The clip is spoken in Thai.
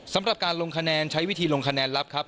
สำหรับการลงคะแนนใช้วิธีลงคะแนนลับครับ